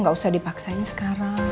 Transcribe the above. gak usah dibaksain sekarang